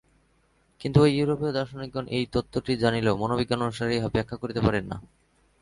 কিন্তু ঐ ইউরোপীয় দার্শনিকগণ এই তত্ত্বটি জানিলেও মনোবিজ্ঞান অনুসারে ইহা ব্যাখ্যা করিতে পারেন না।